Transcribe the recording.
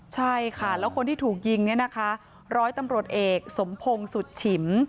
ใช่ค่ะแล้วคนที่ถูกยิงเนี่ยนะคะร้อยตำรวจเอกสมพงศ์สุดฉิม